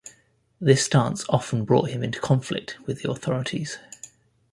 This stance often brought him into conflict with the authorities.